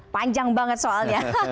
panjang banget soalnya